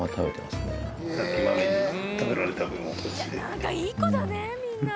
何かいい子だねみんな。